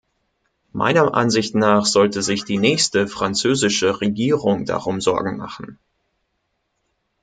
Meiner Ansicht nach sollte sich die nächste französische Regierung darum Sorgen machen.